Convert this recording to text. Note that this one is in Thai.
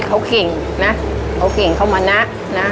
เขาเก่งนะเขาเก่งเขามานะนะ